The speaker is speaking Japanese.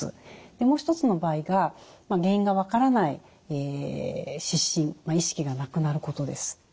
でもう一つの場合が原因が分からない失神意識がなくなることです。